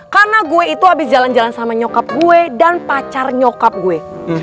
karena gue itu abis jalan jalan sama nyokap gue dan pacar nyokap gue